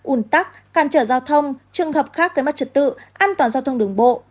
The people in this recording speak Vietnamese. ủn tắc càn trở giao thông trường hợp khác tới mắt trật tự an toàn giao thông đường bộ